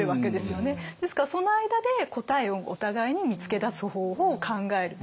ですからその間で答えをお互いに見つけ出す方法を考える。